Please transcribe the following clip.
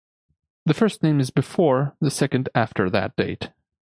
The first name is before, the second after that date.